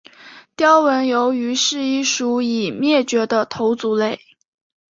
雕纹鱿鱼是一属已灭绝的头足类。